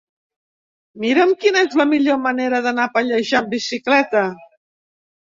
Mira'm quina és la millor manera d'anar a Pallejà amb bicicleta.